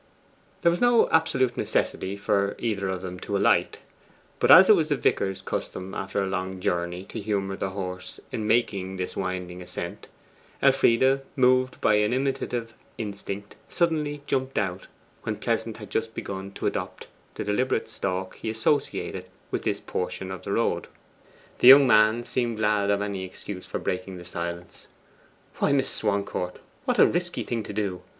There was no absolute necessity for either of them to alight, but as it was the vicar's custom after a long journey to humour the horse in making this winding ascent, Elfride, moved by an imitative instinct, suddenly jumped out when Pleasant had just begun to adopt the deliberate stalk he associated with this portion of the road. The young man seemed glad of any excuse for breaking the silence. 'Why, Miss Swancourt, what a risky thing to do!